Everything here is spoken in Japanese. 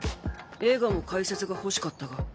映画も解説が欲しかったが。